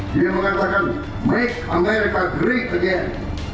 dia mengatakan make america great again